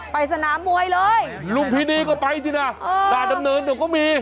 ไปสนามมวยเลยลุมพินีก็ไปสินะราชดำเนินเดี๋ยวก็มี